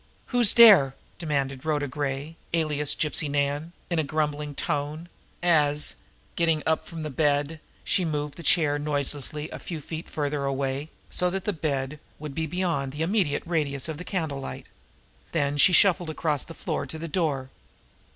"Who's dere?" demanded Rhoda Gray, alias Gypsy Nan, in a grumbling tone, as, getting up from the bed, she moved the chair noiselessly a few feet farther away, so that the bed would be beyond the immediate radius of the candle light. Then she shuffled across the floor to the door.